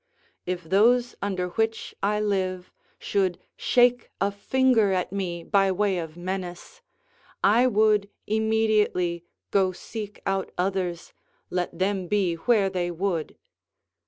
If those under which I live should shake a finger at me by way of menace, I would immediately go seek out others, let them be where they would.